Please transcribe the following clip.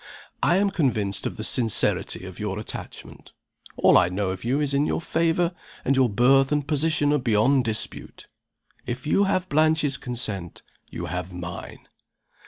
I am convinced of the sincerity of your attachment. All I know of you is in your favor, and your birth and position are beyond dispute. If you have Blanche's consent, you have mine."